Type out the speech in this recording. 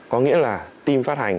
có nghĩa là team phát hành